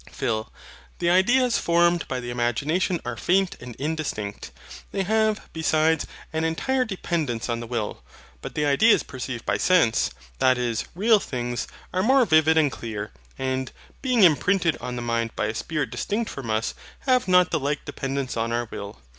PHIL. The ideas formed by the imagination are faint and indistinct; they have, besides, an entire dependence on the will. But the ideas perceived by sense, that is, real things, are more vivid and clear; and, being imprinted on the mind by a spirit distinct from us, have not the like dependence on our will.